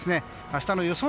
明日の予想